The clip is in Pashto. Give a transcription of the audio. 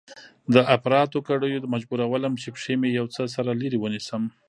د اپراتو کړيو مجبورولم چې پښې مې يو څه سره لرې ونيسم.